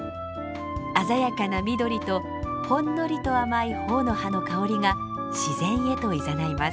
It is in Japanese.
鮮やかな緑とほんのりと甘い朴の葉の香りが自然へといざないます。